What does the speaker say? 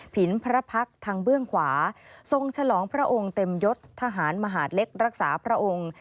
ผินพระพักษ์ทางเบื้องขวาทรงฉลองพระองค์เต็มยศทหารมหาดเล็กรักษาพระองค์